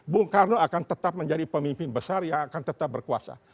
bung karno akan tetap menjadi pemimpin besar yang akan tetap berkuasa